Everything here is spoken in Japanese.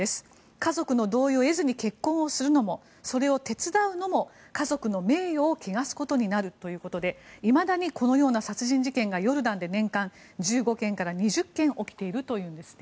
家族の同意を得ずに結婚するのもそれを手伝うのも家族の名誉を汚すことになるということでいまだにこのような殺人事件がヨルダンで年間１５件から２０件起きているというんですね。